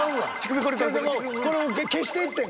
これで消していってん。